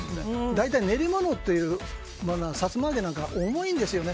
大体、練り物っていうものはさつま揚げなんかは重いんですよね。